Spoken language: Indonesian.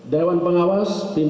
saya sampaikan tadi waktu kami bertemu